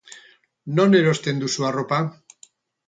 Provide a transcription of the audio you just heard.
Non erosten duzu arropa?